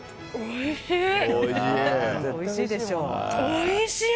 おいしい！